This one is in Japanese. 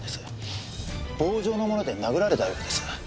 棒状のもので殴られたようです。